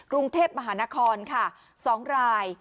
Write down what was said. รุงเทพฯมหานคร๒ราย